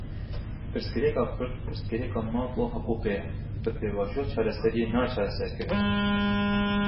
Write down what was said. Pirsgirêka Kurd pirsgirêka maf û hiqûqê ye, bi pêvajoya çareseriyê nayê çareserkirin.